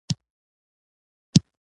او څه به وکړې؟